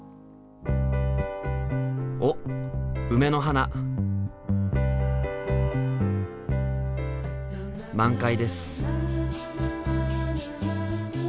おっ梅の花！満開です。